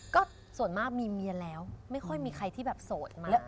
ก็ส่วนมากมีเมียไม่ค่อยที่โอดมาก